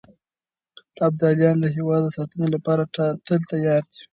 ابداليان د هېواد د ساتنې لپاره تل تيار دي.